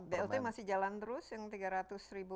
blt masih jalan terus yang tiga ratus ribu